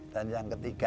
dan yang ketiga